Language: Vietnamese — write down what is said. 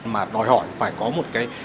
mà đòi hỏi phải có một cái